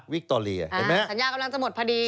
วิคโตเรียเห็นไหม